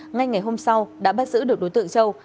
ngay ngày hôm sau đã bắt giữ được đối tượng châu